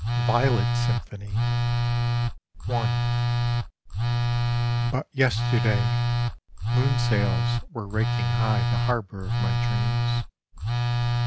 VIOLET SYMPHONY I But yesterday Moonsails were raking high the harbour of my dreams.